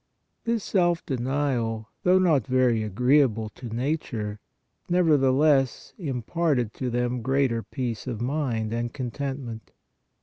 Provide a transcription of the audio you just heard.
This self denial, though not very agreeable to nature, nevertheless, imparted to them greater peace of mind and contentment.